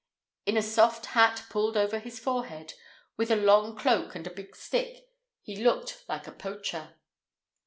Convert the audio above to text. In a soft hat pulled over his forehead, with a long cloak and a big stick, he looked like a poacher.